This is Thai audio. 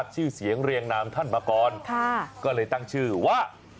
นี่เต่าค่ะ